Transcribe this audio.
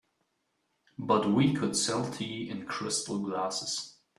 But we could sell tea in crystal glasses.